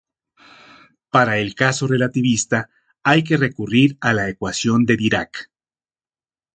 Para el caso relativista hay que recurrir a la ecuación de Dirac.